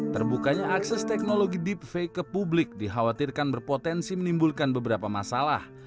terbukanya akses teknologi deepfake ke publik dikhawatirkan berpotensi menimbulkan beberapa masalah